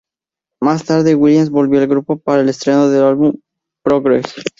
Más tarde Williams volvió al grupo para el estreno del álbum "Progress.